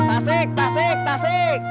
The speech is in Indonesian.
tasik tasik tasik